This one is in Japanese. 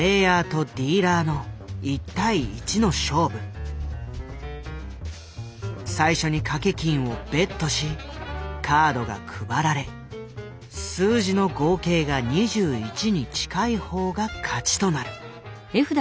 ゲームは最初に賭け金をベットしカードが配られ数字の合計が２１に近い方が勝ちとなる。